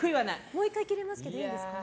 もう１回切れますけどいいんですか。